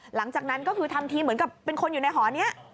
หลังจากนั้นก็คือทำทีเหมือนกับเป็นคนอยู่ในหอนี้